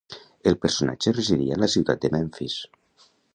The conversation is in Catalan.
El personatge residia en la ciutat de Memfis.